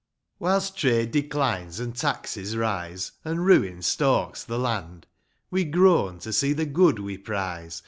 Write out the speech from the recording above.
Whilst trade declines, an' taxes rise, And ruin stalks the land, We groan to see the good we prize.